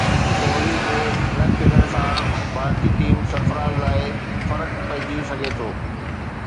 ڪوهلي جي نه کيڏڻ سان ڀارتي ٽيم سرفراز لاءِ فرق پئجي سگهي ٿو